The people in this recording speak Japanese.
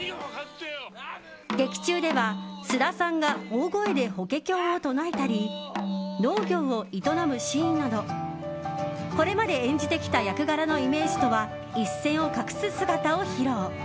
劇中では菅田さんが大声で法華経を唱えたり農業を営むシーンなどこれまで演じてきた役柄のイメージとは一線を画す姿を披露。